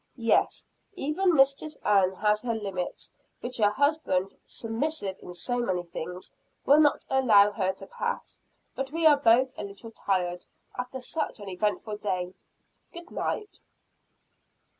"Yes, even Mistress Ann has her limits, which her husband submissive in so many things will not allow her to pass. But we are both a little tired, after such an eventful day. Good night!"